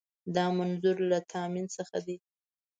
دا منظور له تامین څخه دی.